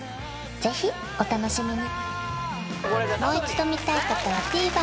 ぜひお楽しみに！